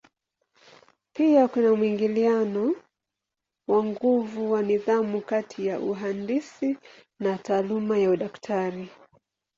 Pia kuna mwingiliano wa nguvu wa nidhamu kati ya uhandisi na taaluma ya udaktari.